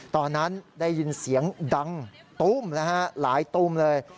ตอนนั้นได้ยินเสียงดังตุ้มนะฮะหลายตู้มเลย